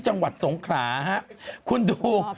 จังหวัดสงขราฮะคุณดู